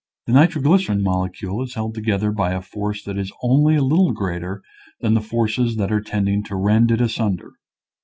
The nitro glycerin molecule is held together by a force that is only a little greater than the forces that are tending to rend it asunder.